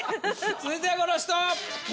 続いてはこの人！